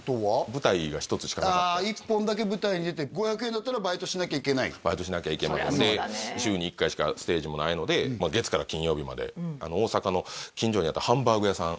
舞台が１つしかなかった１本だけ舞台に出て５００円だったらバイトしなきゃいけないバイトしなきゃいけない週に１回しかステージもないので月から金曜日まで大阪の近所にあったハンバーグ屋さん